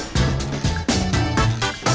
kita bikinnya banyak juga